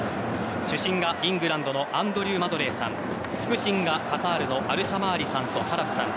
主審がイングランドのアンドリュー・マドレイさん副審がカタールのアルシャマーリさんとハラフさん